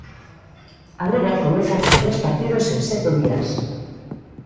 A Liga comeza con tres partidos en sete días.